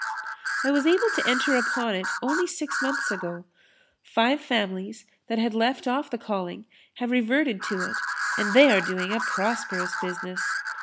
I was able to enter upon it only six months ago. Five families that had left off the calling have reverted to it and they are doing a prosperous business.